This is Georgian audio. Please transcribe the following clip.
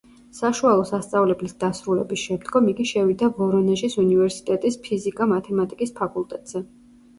საშუალო სასწავლებლის დასრულების შემდგომ იგი შევიდა ვორონეჟის უნივერსიტეტის ფიზიკა-მათემატიკის ფაკულტეტზე.